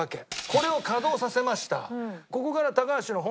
これを稼働させました。